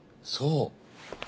そう。